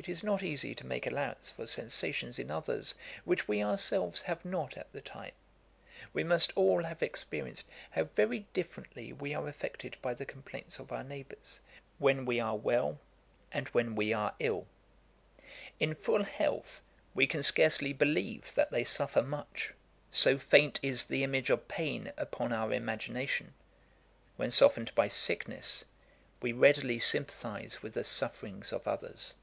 It is not easy to make allowance for sensations in others, which we ourselves have not at the time. We must all have experienced how very differently we are affected by the complaints of our neighbours, when we are well and when we are ill. In full health, we can scarcely believe that they suffer much; so faint is the image of pain upon our imagination: when softened by sickness, we readily sympathize with the sufferings of others.